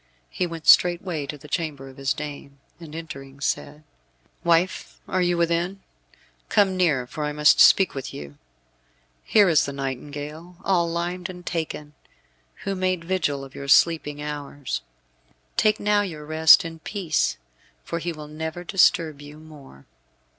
He went straightway to the chamber of his dame, and entering, said, "Wife, are you within? Come near, for I must speak with you. Here is the nightingale, all limed and taken, who made vigil of your sleeping hours. Take now your rest in peace, for he will never disturb you more."